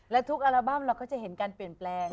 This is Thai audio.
และทุกอัลบั้มเราก็จะเห็นการเปลี่ยนแปลง